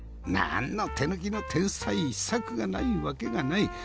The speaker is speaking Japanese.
なんの手抜きの天才秘策がないわけがない。